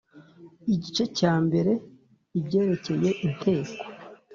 Igice cya mbere ibyerekeye inteko